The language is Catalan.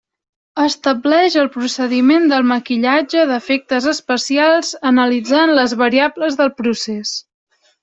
Estableix el procediment del maquillatge d'efectes especials analitzant les variables del procés.